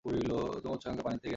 তোমার উচ্চাকাঙ্খা পানিতে গেছে।